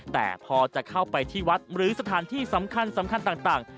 แต่พอจะเข้าไปที่วัดหรือสถานที่สำคัญต่าง